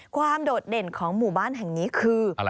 ความโดดเด่นของหมู่บ้านแห่งนี้คือ